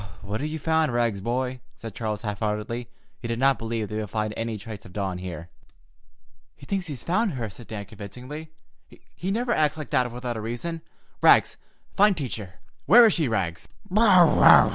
"What have you found, Rags, boy?" said Charles half heartedly. He did not believe they would find any trace of Dawn here. "He thinks he's found her," said Dan convincingly. "He never acts like that without a reason. Rags, find Teacher! Where is she, Rags?"